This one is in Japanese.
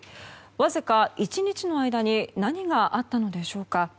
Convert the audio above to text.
わずか１日の間に何があったのでしょうか。